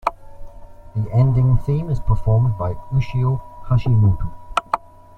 The ending theme is performed by Ushio Hashimoto.